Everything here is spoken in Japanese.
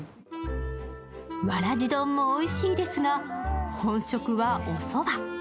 わらじ丼もおいしいですが、本職はおそば。